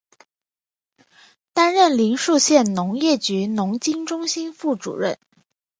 担任临沭县农业局农经中心副主任。